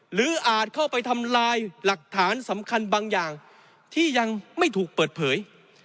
อาจเข้าไปทำลายหลักฐานสำคัญบางอย่างที่ยังไม่ถูกเปิดเผย